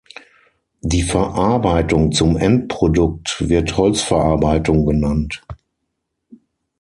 Die Verarbeitung zum Endprodukt wird Holzverarbeitung genannt.